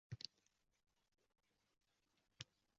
Bu esa xalqning o‘zi bilan kurashish kabi.